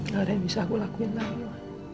gak ada yang bisa aku lakuin lagi